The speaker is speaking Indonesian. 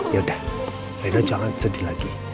ya udah akhirnya jangan sedih lagi